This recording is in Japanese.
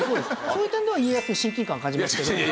そういう点では家康に親近感感じますけどね。